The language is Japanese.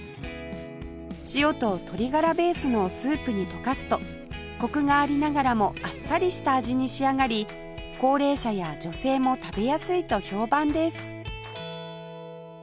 塩と鶏ガラベースのスープに溶かすとコクがありながらもあっさりした味に仕上がり高齢者や女性も食べやすいと評判です